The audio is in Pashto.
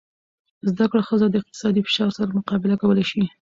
زده کړه ښځه د اقتصادي فشار سره مقابله کولی شي.